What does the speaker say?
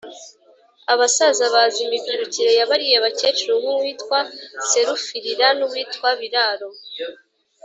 abasaza bazi imibyirukire ya bariya bakecuru nk’uwitwa serufirira n’uwitwa biraro